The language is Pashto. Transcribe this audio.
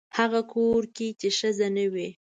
هغه کور کې چې ښځه نه وي.